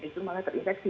itu malah terinfeksi